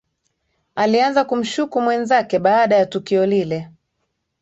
Alianza kumshuku mwenzake baada ya tukio lile